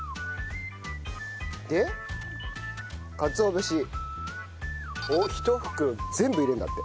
でかつお節を１袋全部入れるんだって。